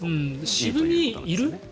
渋み、いる？